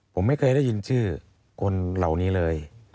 ผมไม่เคยได้ยินชื่อคนเหล่านี้เลย